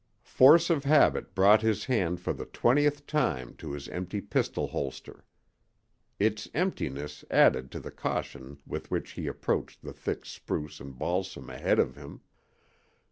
Force of habit brought his hand for the twentieth time to his empty pistol holster. Its emptiness added to the caution with which he approached the thick spruce and balsam ahead of him.